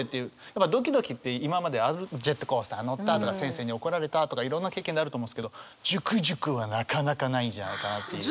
やっぱドキドキって今まであるジェットコースター乗ったとか先生に怒られたとかいろんな経験であると思うんですけどジュクジュクはなかなかないんじゃないかなっていう。